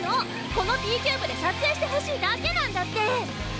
このＢ・キューブで撮影してほしいだけなんだって！